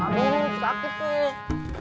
aduh sakit tuh